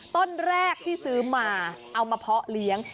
ต้นแรกที่ซื้อมาเอามาเพาะเลี้ยง